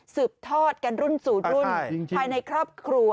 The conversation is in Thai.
สืบทอดกันรุ่นสู่รุ่นภายในครอบครัว